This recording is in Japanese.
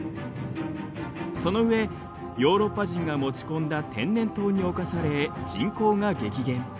その上ヨーロッパ人が持ち込んだ天然痘に侵され人口が激減。